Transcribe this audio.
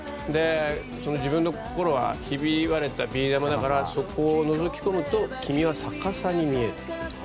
自分の心はひび割れたビー玉だからそこをのぞき込むと君は逆さに見える。